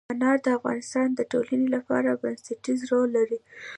انار د افغانستان د ټولنې لپاره بنسټيز رول لري.